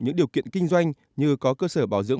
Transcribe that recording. những điều kiện kinh doanh như có cơ sở bảo dưỡng